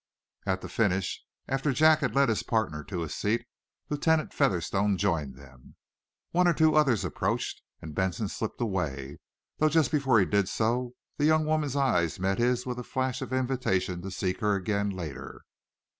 At the finish, after Jack had led his partner to a seat, Lieutenant Featherstone joined them. One or two others approached, and Benson slipped away, though just before he did so the young woman's eyes met his with a flash of invitation to seek her again later.